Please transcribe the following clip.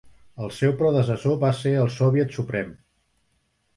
El seu predecessor va ser el Soviet Suprem.